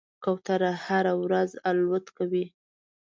کوتره هره ورځ الوت کوي.